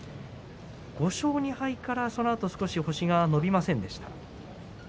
５勝２敗からそのあと少し星が伸びませんでした。